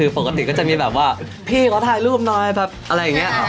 ปกติก็จะมีแบบว่าพี่ขอถ่ายรูปหน่อยแบบอะไรอย่างนี้